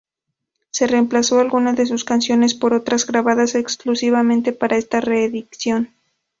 Se reemplazó algunas de sus canciones por otras grabadas exclusivamente para esta reedición.